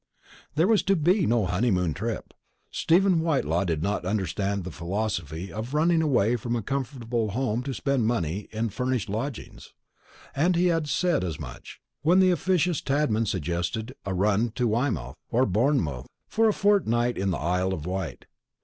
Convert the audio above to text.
There was to be no honeymoon trip. Stephen Whitelaw did not understand the philosophy of running away from a comfortable home to spend money in furnished lodgings; and he had said as much, when the officious Tadman suggested a run to Weymouth, or Bournemouth, or a fortnight in the Isle of Wight.